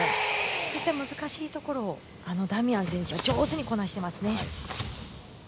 そういった難しいところをダミアン選手は上手にこなしていますね。